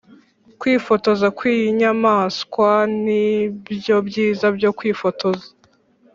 kwifotoza kwinyamanswa nibyo byiza byo kwifotoza.